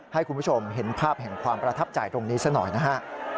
ให้คุณผู้ชมเห็นภาพแห่งความประทับใจตรงนี้ซะหน่อยนะฮะ